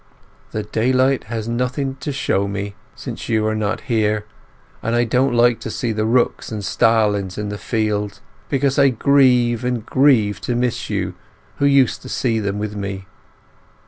The daylight has nothing to show me, since you are not here, and I don't like to see the rooks and starlings in the field, because I grieve and grieve to miss you who used to see them with me.